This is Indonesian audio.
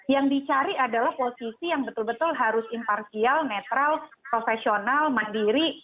yang dicari adalah posisi yang betul betul harus imparsial netral profesional mandiri